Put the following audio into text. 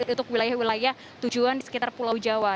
untuk wilayah wilayah tujuan di sekitar pulau jawa